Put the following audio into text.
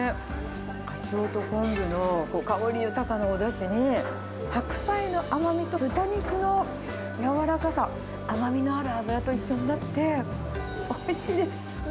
かつおと昆布の香り豊かなおだしに、白菜の甘みと豚肉の柔らかさ、甘みのある脂と一緒になって、おいしいです。